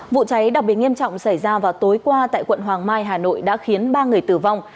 vụ cháy đặc biệt nghiêm trọng xảy ra vào tối qua tại quận hoàng mai hà nội đã khiến ba người tử vong